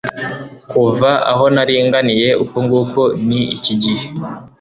kuva aho nari nganiye uku nguku ni iki gihe